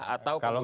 atau kemudian ulang